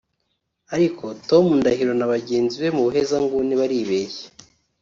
Ariko Tom Ndahiro na bagenzi be mu buhezanguni baribeshya